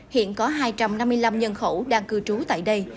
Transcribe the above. hiện có hai trăm năm mươi năm nhân khẩu đang cư trú tại đây